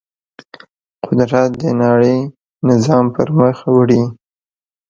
قدرت د نړۍ نظام پر مخ وړي.